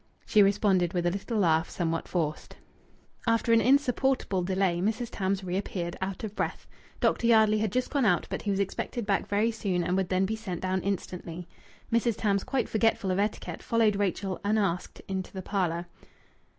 She responded with a little laugh, somewhat forced. After an insupportable delay Mrs. Tams reappeared, out of breath. Dr. Yardley had just gone out, but he was expected back very soon and would then be sent down instantly. Mrs. Tams, quite forgetful of etiquette, followed Rachel, unasked, into the parlour.